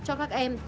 cho các em